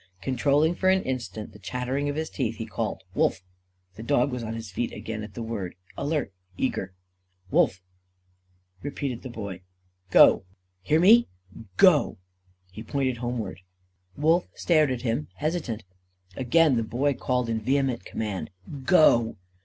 Controlling for an instant the chattering of his teeth, he called: "Wolf!" The dog was on his feet again at the word; alert, eager. "Wolf!" repeated the Boy. "Go! Hear me? Go!" He pointed homeward. Wolf stared at him, hesitant. Again the Boy called in vehement command, "_Go!